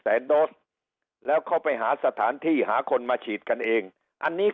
แสนโดสแล้วเข้าไปหาสถานที่หาคนมาฉีดกันเองอันนี้